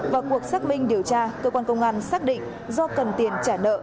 vào cuộc xác minh điều tra cơ quan công an xác định do cần tiền trả nợ